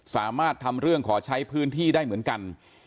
สามารถทำเรื่องขอใช้พื้นที่ได้เหมือนกัน